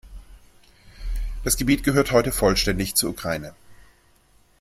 Das Gebiet gehört heute vollständig zur Ukraine.